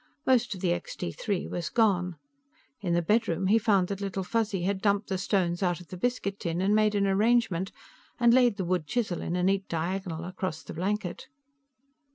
Most of the Extee Three was gone. In the bedroom, he found that Little Fuzzy had dumped the stones out of the biscuit tin and made an arrangement, and laid the wood chisel in a neat diagonal across the blanket.